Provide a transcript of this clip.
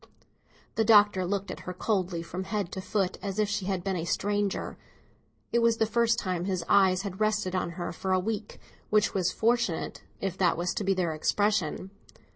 The Doctor looked at her coldly from head to foot, as if she had been a stranger. It was the first time his eyes had rested on her for a week, which was fortunate, if that was to be their expression.